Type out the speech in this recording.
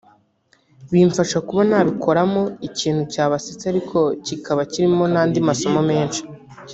bimfasha kuba nabikoramo ikintu cyabasetsa ariko kikaba kirimo n’andi masomo menshi